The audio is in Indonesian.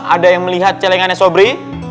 ada yang melihat celengannya sobri